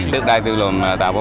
được đại tư luận đạo bố